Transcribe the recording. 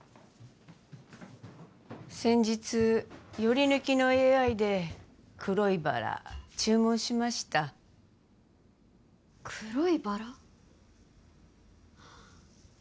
先日ヨリヌキのＡＩで黒いバラ注文しました黒いバラ？